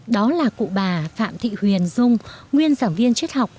đó là cụ bà phạm thị huyền dung nguyên giảng viên triết học